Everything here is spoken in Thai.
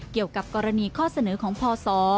เกี่ยวกับกรณีข้อเสนอของพศ